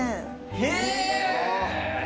へえ